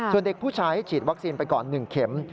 ส่วนเด็กผู้ชายให้ฉีดวัคซีนไปก่อน๑เข็ม